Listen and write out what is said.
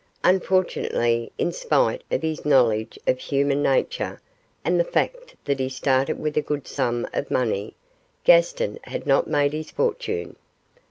Unfortunately, in spite of his knowledge of human nature, and the fact that he started with a good sum of money, Gaston had not made his fortune.